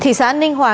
thị xã ninh hòa